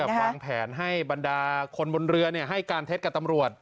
เหมือนกับวางแผนให้บรรดาคนบนเรือเนี่ยให้การเท็จกับตำรวจ